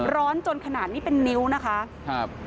ร้อนจนขนาดนี้เป็นนิ้วนะคะ